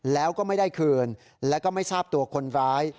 แล้วก็ไม่ได้คืนแล้วก็ไม่ทราบตัวคนร้าย